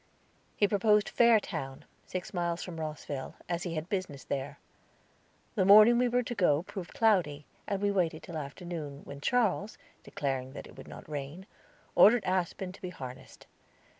He proposed Fairtown, six miles from Rosville, as he had business there. The morning we were to go proved cloudy, and we waited till afternoon, when Charles, declaring that it would not rain, ordered Aspen to be harnessed.